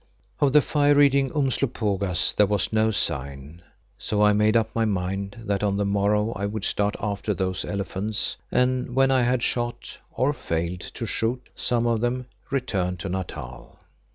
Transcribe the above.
Of the fire eating Umslopogaas there was no sign, so I made up my mind that on the morrow I would start after those elephants and when I had shot—or failed to shoot—some of them, return to Natal.